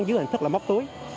dưới hình thức là móc túi